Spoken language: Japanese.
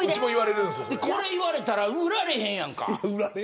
これ言われたら売られへんやんか。